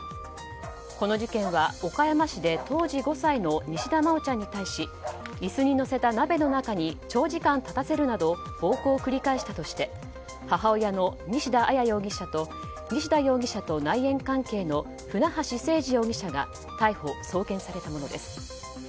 この事件は岡山市で当時５歳の西田真愛ちゃんに対し椅子に乗せた鍋の中に長時間立たせるなど暴行を繰り返したとして母親の西田彩容疑者と西田容疑者と内縁関係の船橋誠二容疑者が逮捕・送検されたものです。